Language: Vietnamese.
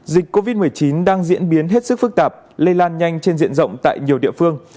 dịch covid một mươi chín đang diễn biến hết sức phức tạp lây lan nhanh trên diện rộng tại nhiều địa phương